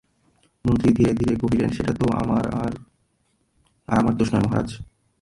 মন্ত্রী ধীরে ধীরে কহিলেন, সেটা তো আর আমার দোষ নয় মহারাজ।